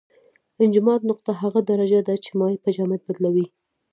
انجماد نقطه هغه درجه ده چې مایع په جامد بدلوي.